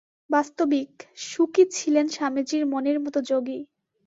বাস্তবিক, শুকই ছিলেন স্বামীজীর মনের মত যোগী।